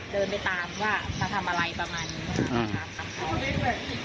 ถึงเดินออกไปตามเดินไปตามว่ามาทำอะไรประมาณนี้